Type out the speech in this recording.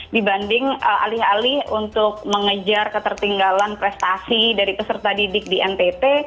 dibanding alih alih untuk mengejar ketertinggalan prestasi dari peserta didik di ntt